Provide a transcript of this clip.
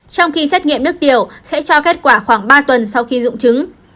trong khi xét nghiệm nước tiểu sẽ cho kết quả khoảng ba tuần sau khi dụng chứng